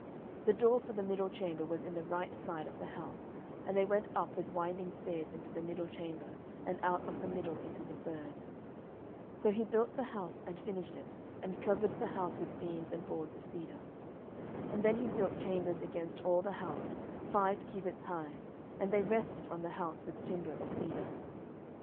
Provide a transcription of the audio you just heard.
11:006:008 The door for the middle chamber was in the right side of the house: and they went up with winding stairs into the middle chamber, and out of the middle into the third. 11:006:009 So he built the house, and finished it; and covered the house with beams and boards of cedar. 11:006:010 And then he built chambers against all the house, five cubits high: and they rested on the house with timber of cedar.